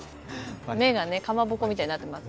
目がねかまぼこみたいになってます。